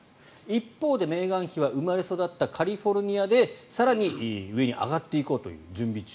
一方でメーガン妃は生まれ育ったカリフォルニアで更に上に上がっていこうという準備中。